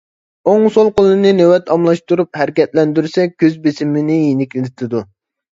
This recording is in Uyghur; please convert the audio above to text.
ئوڭ-سول قولنى نۆۋەت ئالماشتۇرۇپ ھەرىكەتلەندۈرسە كۆز بېسىمىنى يېنىكلىتىدۇ.